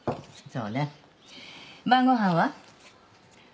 そうね晩ご飯は？